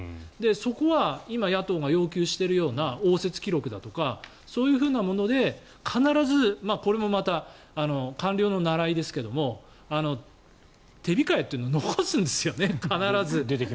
そこは今、野党が要求しているような応接記録だとかそういうもので必ずこれもまた官僚の習いですが手控えというのを残すんですよね、必ず。